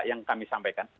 ini yang kami sampaikan